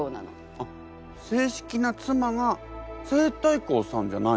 あっ正式なつまが西太后さんじゃないの？